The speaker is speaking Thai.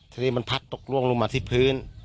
ทีนี้มันพัดตกล่วงลงมาที่พื้น